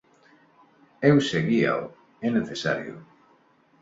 Eu seguíao, é necesario!